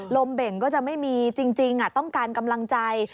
เบ่งก็จะไม่มีจริงต้องการกำลังใจ